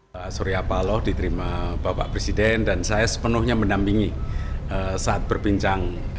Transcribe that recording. pak surya paloh diterima bapak presiden dan saya sepenuhnya mendampingi saat berbincang